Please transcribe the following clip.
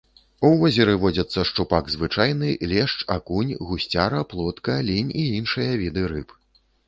У возеры водзяцца шчупак звычайны, лешч, акунь, гусцяра, плотка, лінь і іншыя віды рыб.